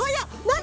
何！？